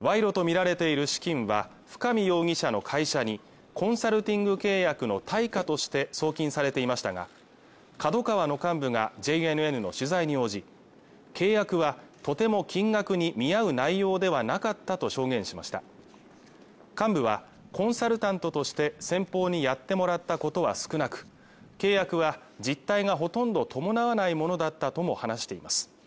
賄賂とみられている資金ば深見容疑者の会社にコンサルティング契約の対価として送金されていましたがＫＡＤＯＫＡＷＡの幹部がＪＮＮの取材に応じ契約はとても金額に見合う内容ではなかったと証言しました幹部はコンサルタントとして先方にやってもらったことは少なく契約は実態がほとんど伴わないものだったとも話しています